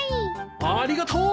ありがとう。